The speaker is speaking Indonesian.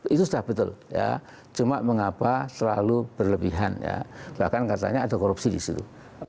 itu sudah betul ya cuma mengapa terlalu berlebihan ya bahkan katanya ada korupsi di situ